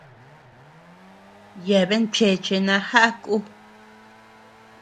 Yeabean cheche najaʼa kú.